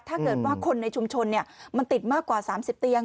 ถ้าเกิดว่าคนในชุมชนมันติดมากกว่า๓๐เตียง